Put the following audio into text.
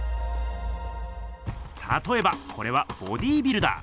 たとえばこれはボディービルダー。